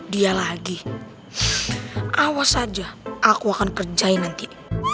dia lagi awas saja aku akan kerjain nanti